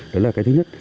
đấy là cái thứ nhất